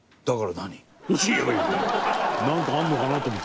だから何よ。